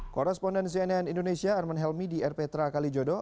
korresponden cnn indonesia arman helmi di air petra kalijodo